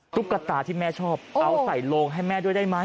ตุ๊กตาที่แม่ชอบเอาใส่โลงให้แม่ด้วยได้ไหม